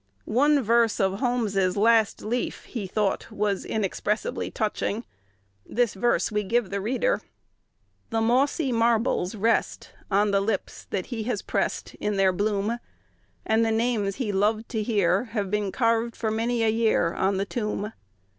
One verse of Holmes's "Last Leaf" he thought was "inexpressibly touching." This verse we give the reader: "The mossy marbles rest On the lips that he has pressed In their bloom; And the names he loved to hear Have been carved for many a year On the tomb."